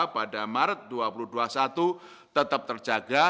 pada maret dua ribu dua puluh satu tetap terjaga